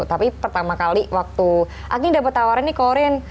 tapi pertama kali waktu agni dapat tawaran nih korin